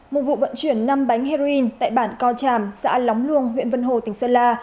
một vụ vận chuyển năm bánh heroin tại bản co tràm xã lóng luông huyện vân hồ tỉnh sơn la